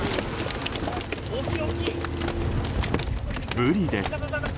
ブリです。